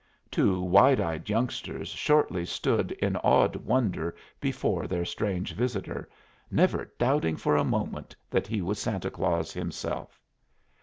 Two wide eyed youngsters shortly stood in awed wonder before their strange visitor, never doubting for a moment that he was Santa Claus himself.